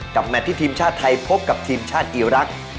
แมทที่ทีมชาติไทยพบกับทีมชาติอีรักษ์